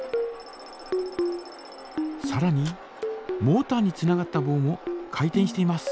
さらにモータにつながったぼうも回転しています。